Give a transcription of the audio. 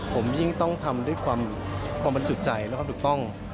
ผมยิ่งต้องทำด้วยความบริสุทธิ์ใจและความถูกต้อง